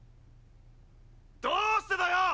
どうしてだよ！